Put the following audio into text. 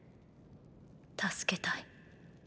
助けたい。